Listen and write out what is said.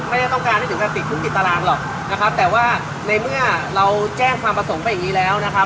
ไม่ได้ต้องการให้ถึงการติดคุกติดตารางหรอกนะครับแต่ว่าในเมื่อเราแจ้งความประสงค์ไปอย่างนี้แล้วนะครับ